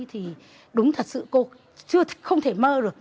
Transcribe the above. thì đúng thật sự không thể mơ được